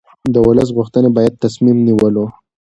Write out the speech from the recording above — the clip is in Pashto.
د ولس غوښتنې باید د تصمیم نیولو